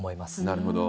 なるほど。